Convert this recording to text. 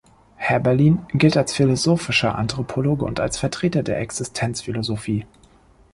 Häberlin gilt als philosophischer Anthropologe und als Vertreter der Existenzphilosophie.